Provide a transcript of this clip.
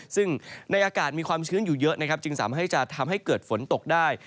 ซึ่งในอากาศมีความเชื้องอยู่เยอะจึงสามารถทำให้เกิดฝนตกได้